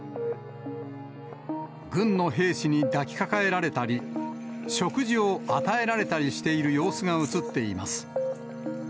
軍の兵士に抱きかかえられたり、食事を与えられたりしている様子が写っています。